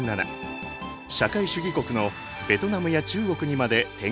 社会主義国のベトナムや中国にまで展開している。